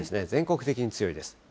全国的に強いです。